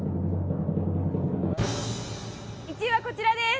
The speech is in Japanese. １位は、こちらです。